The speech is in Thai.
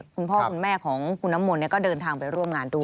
คุณพ่อคุณแม่ของคุณน้ำมนต์ก็เดินทางไปร่วมงานด้วย